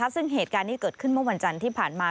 ซึ่งเหตุการณ์นี้เกิดขึ้นเมื่อวันจันทร์ที่ผ่านมา